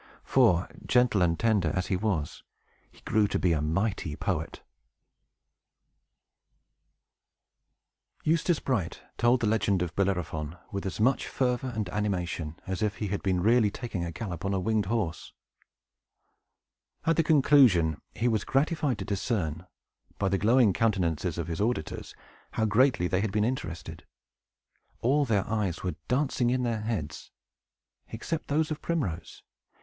For, gentle and tender as he was, he grew to be a mighty poet! BALD SUMMIT AFTER THE STORY Eustace Bright told the legend of Bellerophon with as much fervor and animation as if he had really been taking a gallop on the winged horse. At the conclusion, he was gratified to discern, by the glowing countenances of his auditors, how greatly they had been interested. All their eyes were dancing in their heads, except those of Primrose.